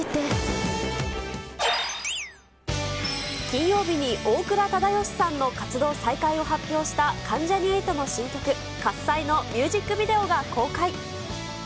金曜日に大倉忠義さんの活動再開を発表した関ジャニ∞の新曲、喝采のミュージックビデオが公開。